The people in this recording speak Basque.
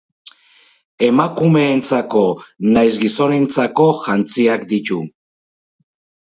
Emakumeentzako nahiz gizonentzako jantziak ditu.